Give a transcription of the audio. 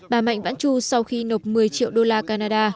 bà mạnh vãn chu sau khi nộp một mươi triệu đô la canada